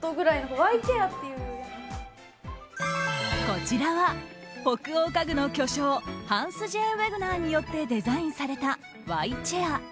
こちらは、北欧家具の巨匠ハンス・Ｊ・ウェグナーによってデザインされた、Ｙチェア。